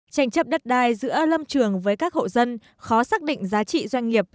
tranh chấp đất đai giữa lâm trường với các hộ dân khó xác định giá trị doanh nghiệp